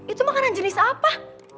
itu makanan jenis apa